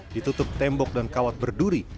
ditutup tembok dan kawat berduri